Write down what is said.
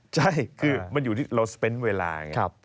ใช่คือมันอยู่ที่เราเวลา